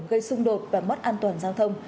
gây xung đột và mất an toàn giao thông